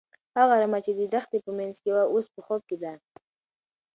هغه رمه چې د دښتې په منځ کې وه، اوس په خوب کې ده.